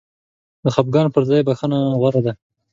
د خفګان پر ځای بخښنه غوره ده.